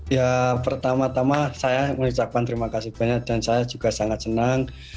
ya pertama tama saya mengucapkan terima kasih banyak dan saya juga sangat senang